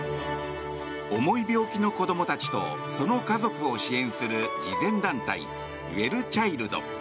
重い病気の子供たちとその家族を支援する慈善団体ウェルチャイルド。